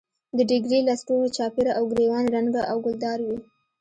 د ډیګرې لستوڼو چاپېره او ګرېوان رنګه او ګلدار وي.